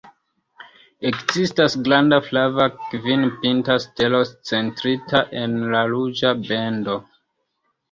Ekzistas granda flava, kvin-pinta stelo centrita en la ruĝa bendo.